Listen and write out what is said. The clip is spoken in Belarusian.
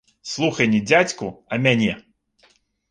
Слухай не дзядзьку, а мяне.